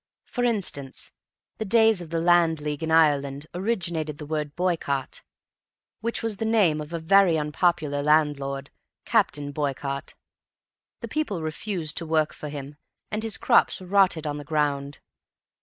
For instance, the days of the Land League in Ireland originated the word boycott, which was the name of a very unpopular landlord, Captain Boycott. The people refused to work for him, and his crops rotted on the ground.